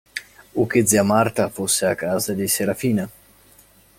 O che zia Marta fosse a casa di Serafina.